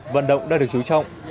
vận động đã được chú trọng